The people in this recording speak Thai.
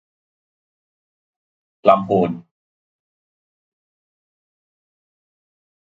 ลำพูน